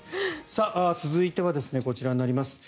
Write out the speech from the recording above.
続いてはこちらになります。